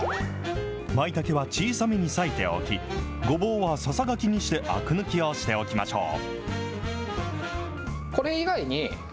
まいたけは小さめに割いておき、ごぼうはささがきにして、あく抜きをしておきましょう。